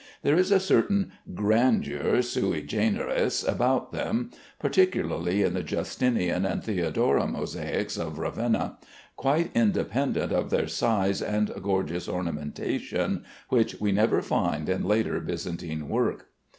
There is a certain grandeur, sui generis, about them (particularly in the Justinian and Theodora mosaics of Ravenna) quite independent of their size and gorgeous ornamentation, which we never find in later Byzantine work.